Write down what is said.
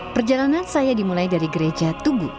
perjalanan saya dimulai dari gereja tugu